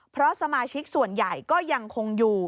เพราะสมาชิกส่วนใหญ่ก็ยังคงอยู่